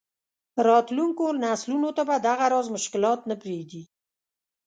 راتلونکو نسلونو ته به دغه راز مشکلات نه پرېږدي.